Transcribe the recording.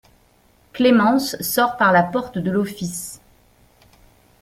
Clémence sort par la porte de l’office.